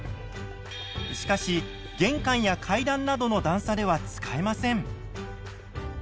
しかし玄関や階段などの段差では使えません。